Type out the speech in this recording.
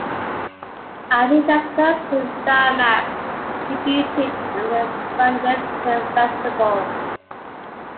Arteta's first film, "Star Maps", debuted at the Sundance Film Festival.